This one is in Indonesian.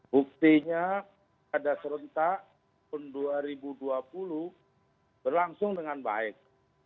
buktinya pada serentak tahun dua ribu dua puluh berlangsung dengan baik